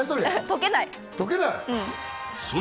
溶けない？